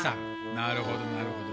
なるほどなるほど。